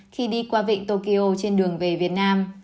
khi đi qua vịnh tokyo trên đường về việt nam